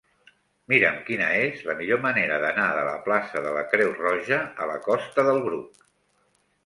Mira'm quina és la millor manera d'anar de la plaça de la Creu Roja a la costa del Bruc.